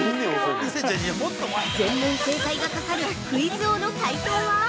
◆全問正解がかかるクイズ王の解答は？